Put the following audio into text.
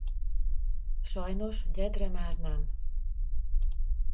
Sajnos gyed-re már nem.